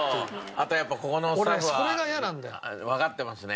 あとやっぱここのスタッフはわかってますね。